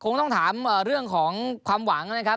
คงต้องถามเรื่องของความหวังนะครับ